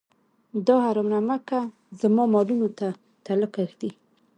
دا حرام نمکه زما مالونو ته تلکه ږدي.